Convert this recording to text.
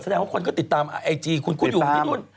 แสดงว่าคนก็ติดตามไอจีคุณคุณอยู่ที่นู่น